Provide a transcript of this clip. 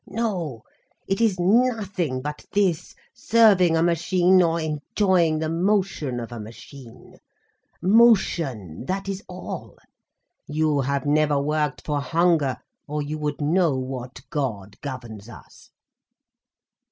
"No, it is nothing but this, serving a machine, or enjoying the motion of a machine—motion, that is all. You have never worked for hunger, or you would know what god governs us."